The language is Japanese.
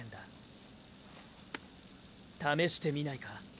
試してみないか？